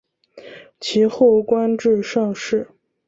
其后官至上士。